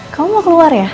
kamu mau keluar ya